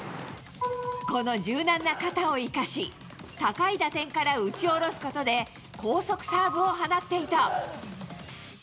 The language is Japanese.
この柔軟な肩を生かし、高い打点から打ち下ろすことで、高速サーブを放っていた。